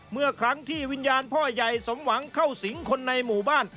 เมื่อครั้งที่วิญญาณพ่อใหญ่สมหวังเข้าสิงคนในหมู่บ้าน